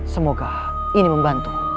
semoga ini membantu